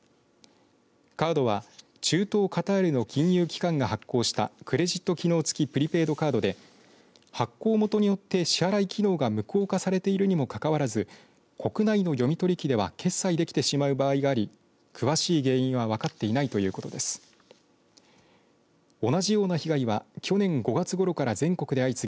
カードは、中東カタールの金融機関が発行したクレジット機能付きプリペイドカードで発行元によって支払い機能が無効化されているにもかかわらず国内の読み取り機では決済できてしまう場合があり詳しい原因は分かっていないということです。